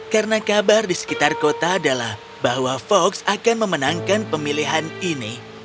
karena kabar di sekitar kota adalah bahwa fox akan memenangkan pemilihan ini